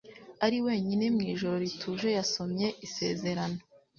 Ari wenyine mw'ijoro rituje, yasomye isezerano